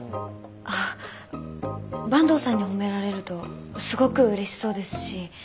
あ坂東さんに褒められるとすごくうれしそうですし